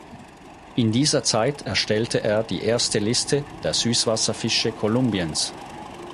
In dieser Zeit erstellte er die erste Liste der Süßwasserfische Kolumbiens.